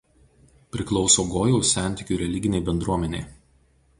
Priklauso Gojaus sentikių religinei bendruomenei.